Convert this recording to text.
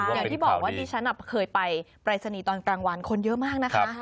อย่างที่บอกว่าดิฉันเคยไปปรายศนีย์ตอนกลางวันคนเยอะมากนะคะ